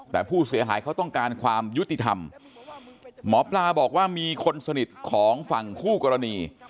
แต่ผู้เสียหายเขาต้องการความยุติธรรมหมอปลาบอกว่ามีคนสนิทของฝั่งคู่กรณี